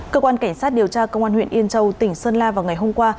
cơ quan cảnh sát điều tra công an huyện yên châu tỉnh sơn la vào ngày hôm qua